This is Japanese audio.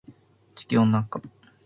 地球温暖化